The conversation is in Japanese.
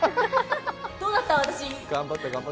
どうだった、私？